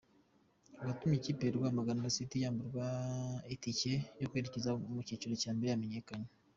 Uwatumye ikipe ya Rwamagana city yamburwa itike yo kwerekeza mu cyiciro mbere yamenyekanye.